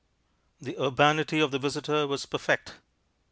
The urbanity of the visitor was perfect.